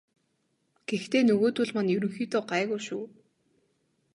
Гэхдээ нөгөөдүүл маань ерөнхийдөө гайгүй шүү.